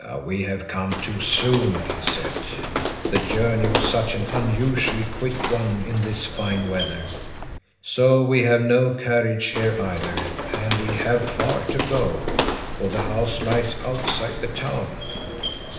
"We have come too soon," he had said. "The journey was such an unusually quick one in this fine weather. So we have no carriage here either, and we have far to go, for the house lies outside the town."